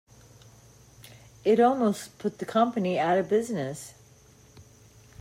It almost put the company out of business.